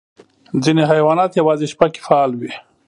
ځینې حیوانات یوازې شپه کې فعال وي.